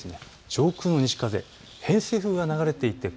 上空の西風、偏西風が流れています。